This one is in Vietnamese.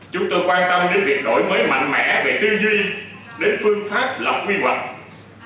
chúng tôi quan tâm đến việc đổi mới mạnh mẽ về tư duy đến phương pháp lập quy hoạch